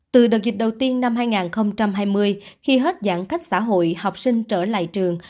từ đợt dịch đầu tiên năm hai nghìn hai mươi khi hết giãn cách xã hội học sinh trở lại trường